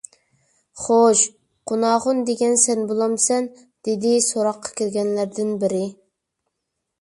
خوش، قۇناخۇن دېگەن سەن بولامسەن؟ _ دېدى سوراققا كىرگەنلەردىن بىرى.